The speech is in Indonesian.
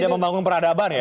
tidak membangun peradaban ya